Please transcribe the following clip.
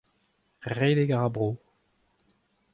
Redek a ra bro.